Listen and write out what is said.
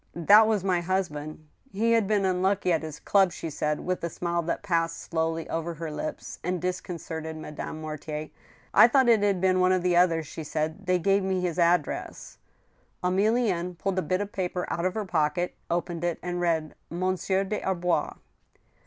" That was my husband. He had been unlucky at his club," she THE TWO WIVES, n9 said, with a smile that passed slowly over her ITps, and disconcerted Madame Mortien I thought it had been one of the others," she said ;" they gave me his address." Emilienne pulled a bit of paper out of her pocket, opened it, and read :" Monsieur des Arbois."